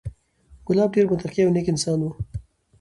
کلاب ډېر متقي او نېک انسان و،